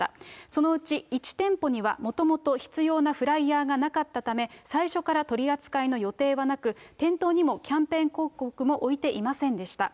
そのうち１店舗には、もともと必要なフライヤーがなかったため、最初から取り扱いの予定はなく、店頭にもキャンペーン広告も置いていませんでした。